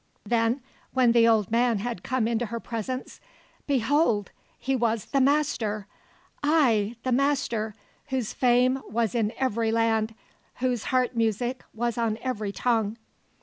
Then, when the old man had come into her presence, behold! he was the Master, ay, the Master whose fame was in every land, whose heart music was on every tongue.